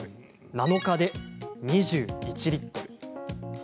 ７日で２１リットル。